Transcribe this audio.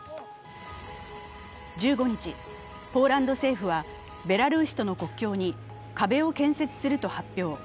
１５日、ポーランド政府はベラルーシとの国境に壁を建設すると発表。